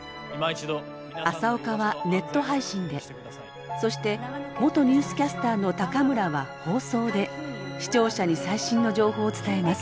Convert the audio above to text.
朝岡はネット配信でそして元ニュースキャスターの高村は放送で視聴者に最新の情報を伝えます。